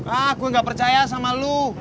ah gue gak percaya sama lo